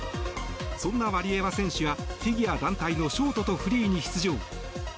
そんなワリエワ選手がフィギュア団体のショートとフリーに出場。